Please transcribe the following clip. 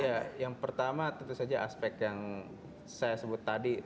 ya yang pertama tentu saja aspek yang saya sebut tadi